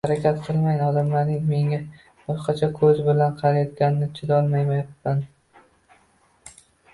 O`zimni qancha oqlashga harakat qilmay, odamlarning menga boshqacha ko`z bilan qarayotganiga chidolmayapman